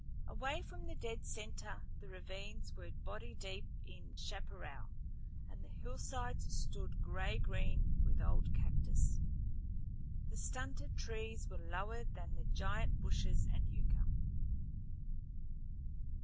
Away from the dead center the ravines were body deep in chaparral, and the hillsides stood gray green with old cactus. The stunted trees were lower than the giant bushes and yucca.